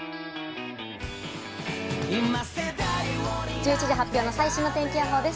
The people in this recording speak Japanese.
１１時発表の最新の天気予報です。